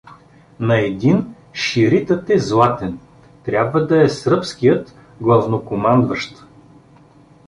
На един ширитът е златен — трябва да е сръбският главнокомандуващ!